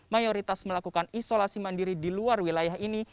mayoritas melakukan isolasi mandiri di luar wilayah ini